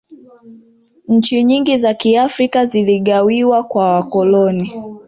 nchi nyingi za kiafrika ziligawiwa kwa wakoloni